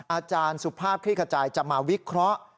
อาจารย์สุภาพคลี่ขจายจะมาวิเคราะห์